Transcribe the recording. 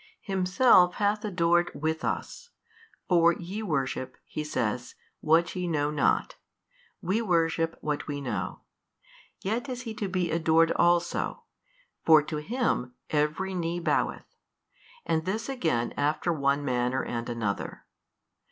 Himself hath adored with us, for Ye worship (He says) what ye know not, we worship what we know: yet is He to be adored also, for to Him every knee boweth: and this again after one manner and another.